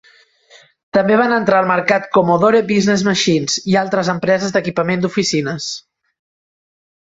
També van entrar al mercat Commodore Business Machines i altres empreses d'equipament d'oficines.